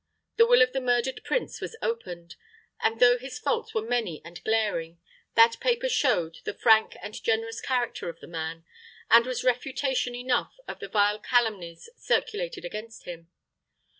The will of the murdered prince was opened; and, though his faults were many and glaring, that paper showed, the frank and generous character of the man, and was refutation enough of the vile calumnies circulated against him.